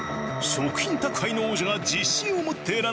食品宅配の王者が自信を持って選んだひと品。